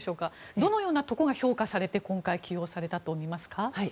どのようなところが評価されて今回、起用されたと思いますか？